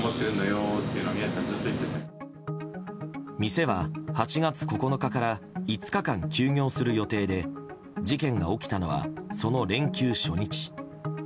店は８月９日から５日間、休業する予定で事件が起きたのはその連休初日。